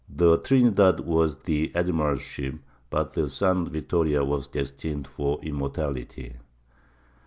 The Trinidad was the admiral's ship; but the San Vittoria was destined for immortality.